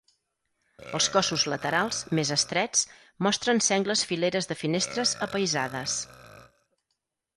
Els cossos laterals, més estrets, mostren sengles fileres de finestres apaïsades.